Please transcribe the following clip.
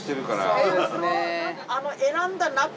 そうですね。